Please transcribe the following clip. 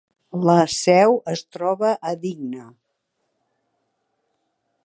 La seu es troba a Digne.